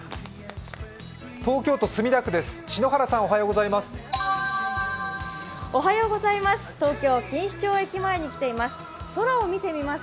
東京都墨田区です。